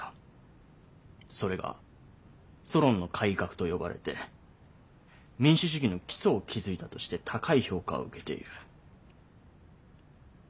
それがソロンの改革と呼ばれて民主主義の基礎を築いたとして高い評価を受けている。